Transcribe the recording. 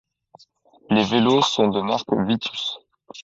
Les vélos sont de marque Vitus.